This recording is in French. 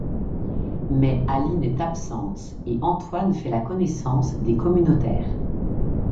Mais Aline est absente et Antoine fait la connaissance des communautaires.